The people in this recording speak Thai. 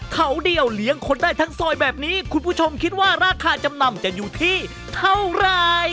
เขาเดียวเลี้ยงคนได้ทั้งซอยแบบนี้คุณผู้ชมคิดว่าราคาจำนำจะอยู่ที่เท่าไร